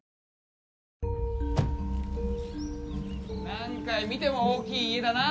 何回見ても大きい家だな。